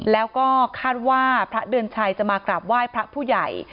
แล้วก็คาดว่าพระเดือนชัยจะมากราบไหว้พระผู้ใหญ่